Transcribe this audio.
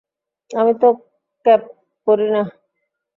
আমি তো কেপ পরি না!